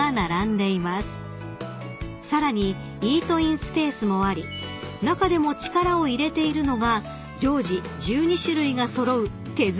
［さらにイートインスペースもあり中でも力を入れているのが常時１２種類が揃う手作りジェラート］